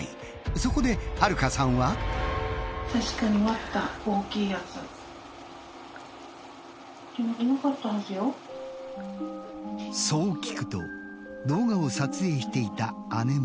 そこで春香さんは。そう聞くと動画を撮影していた姉も。